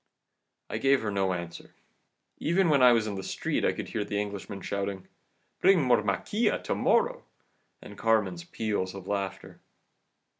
"I gave her no answer even when I was in the street I could hear the Englishman shouting, 'Bring more maquila to morrow,' and Carmen's peals of laughter.